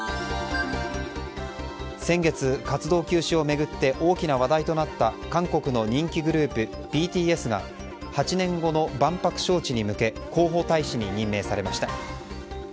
先月、活動休止を巡って大きな話題となった韓国の人気グループＢＴＳが８年後の万博招致に向け広報大使に任命されました。